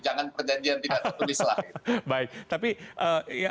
jangan perjanjian tidak tertulislah